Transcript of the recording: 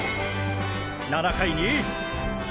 ７回に。